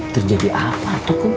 terjadi apa tuh kum